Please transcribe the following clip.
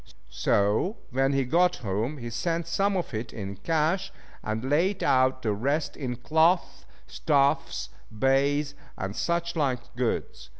So when he got home he sent some of it in cash, and laid out the rest in cloth, stuffs, baize, and such like goods.